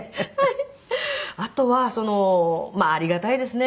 あとはありがたいですね。